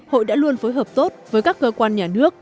hội đã luôn phối hợp tốt với các cơ quan nhà nước